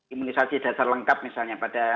imunisasi dasar lengkap misalnya pada